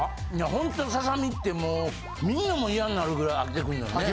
ほんとにささみってもう見るのも嫌になるぐらい飽きてくんのよね？